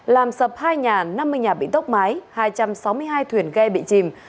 làm sập hai nhà năm mươi nhà bị tốc mái hai trăm sáu mươi hai thuyền ghe bị chìm